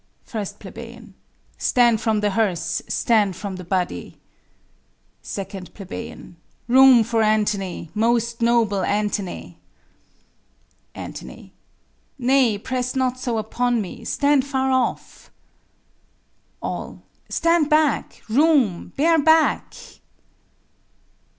1 Ple. Stand from the hearse, stand from the body. 2 Ple. Room for Antony! most noble Antony! Ant. Nay, press not so upon me; stand far off. All. Stand back! room! bear back!